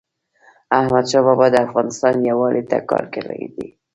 احمدشاه بابا د افغانستان یووالي ته کار کړی دی.